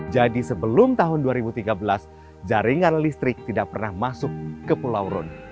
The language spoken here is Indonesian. jadi sebelum tahun dua ribu tiga belas jaringan listrik tidak pernah masuk ke pulau rune